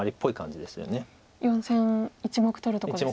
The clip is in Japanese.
４線１目取るところですね。